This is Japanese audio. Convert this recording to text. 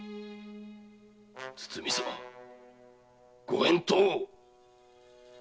堤様ご返答を！